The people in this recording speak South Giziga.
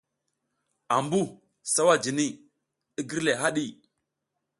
Ambuh sawa jini, i gir le haɗi.